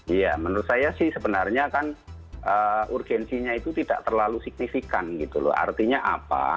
iya menurut saya sih sebenarnya kan urgensinya itu tidak terlalu signifikan gitu loh artinya apa